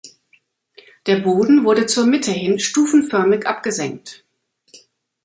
Der Boden wurde zur Mitte hin stufenförmig abgesenkt.